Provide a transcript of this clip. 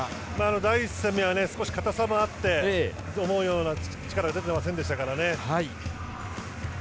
第１戦目は少し硬さもあって思うような力が出ていませんでしたからね。